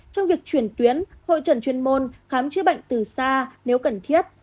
trong việc chuyển tuyến hội trần chuyên môn khám chữa bệnh từ xa nếu cần thiết